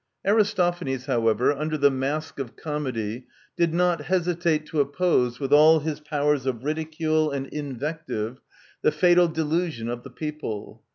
Aristophanes, however, under the mask of comedy, did not hesitate to oppose, with all his powers of ridicule and invective, the fatal delusion of the people.